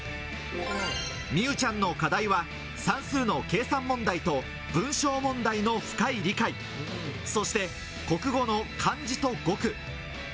美羽ちゃんの課題は算数の計算問題と文章問題の深い理解、そして国語の漢字と語句。